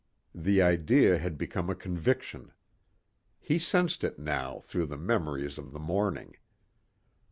The idea had become a conviction. He sensed it now through the memories of the morning.